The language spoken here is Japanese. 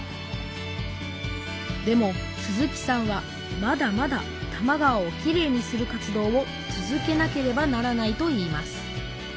でも鈴木さんはまだまだ多摩川をきれいにする活動を続けなければならないと言います